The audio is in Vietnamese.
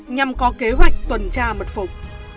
nhằm có kế hoạch tuần tra mật phục